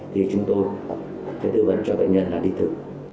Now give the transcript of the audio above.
thì chúng tôi sẽ tư vấn cho bệnh nhân đi thử